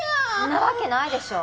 んなわけないでしょ！